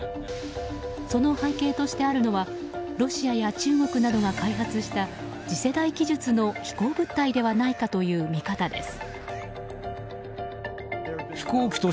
その背景としてあるのはロシアや中国などが開発した次世代技術の飛行物体ではないかという見方です。